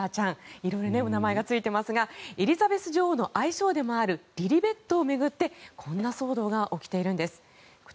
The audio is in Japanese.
いろいろお名前が付いていますがエリザベス女王の愛称でもあるリリベットを巡ってこんな騒動が起きているんです。